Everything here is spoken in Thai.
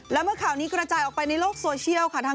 และเมื่อข่าวนี้กระจายออกไปในโลกโซเชียลค่ะ